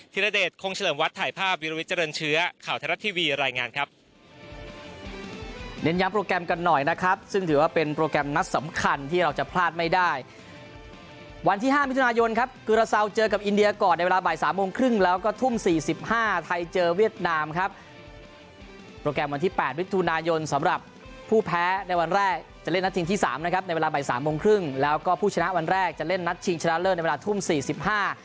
ธิรเดชคงเฉลิมวัดถ่ายภาพวิลวิทเจริญเชื้อข่าวไทยรัฐทีวีรายงานครับ